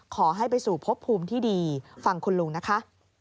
ขอให้ไปสู่พบภูมิที่ดีฟังคุณลุงนะคะ